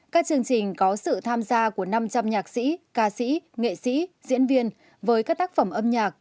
các chương trình có sự tham gia của năm trăm linh nhạc sĩ ca sĩ nghệ sĩ diễn viên với các tác phẩm âm nhạc